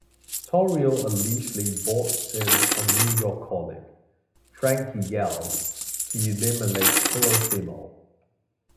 Torrio allegedly brought in a New York colleague, Frankie Yale, to eliminate Colosimo.